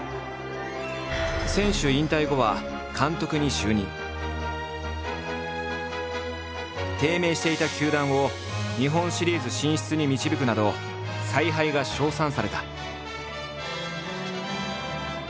選手引退後は低迷していた球団を日本シリーズ進出に導くなど采配が称賛された。